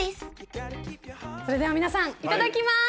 それでは皆さんいただきます。